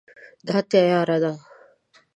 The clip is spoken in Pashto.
دا تیاره ده